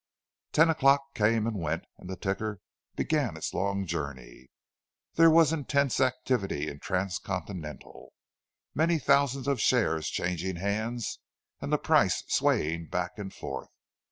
Ten o'clock came and went, and the ticker began its long journey. There was intense activity in Transcontinental, many thousands of shares changing hands, and the price swaying back and forth.